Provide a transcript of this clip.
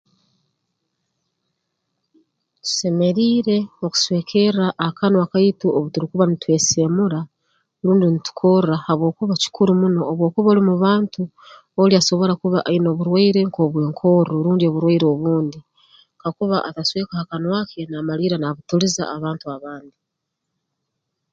Tusemeriire okuswekerra akanwa kaitu obu turukuba ntweseemura rundi ntukorra habwokuba kikuru muno obu okuba oli mu bantu oli asobora kuba aine oburwaire nk'obw'enkorro rundi oburwaire obundi kakuba atasweka ha kanwa ke naamalirra nabutuliza abantu abandi